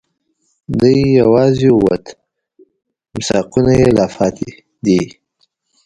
دی یواځي ووت، میثاقونه یې لا پاتې دي